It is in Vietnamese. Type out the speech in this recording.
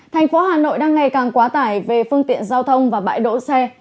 thành phố hà nội đang ngày càng quá tải về phương tiện giao thông và bãi đỗ xe